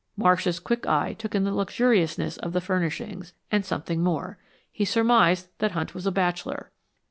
Marsh's quick eye took in the luxuriousness of the furnishings and something more. He surmised that Hunt was a bachelor.